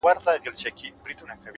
ښه تصمیمات روښانه راتلونکی جوړوي،